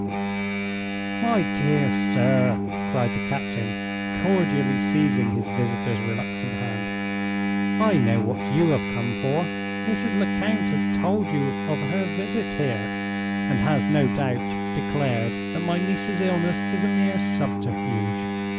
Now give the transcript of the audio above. "My dear sir!" cried the captain, cordially seizing his visitor's reluctant hand, "I know what you have come for. Mrs. Lecount has told you of her visit here, and has no doubt declared that my niece's illness is a mere subterfuge.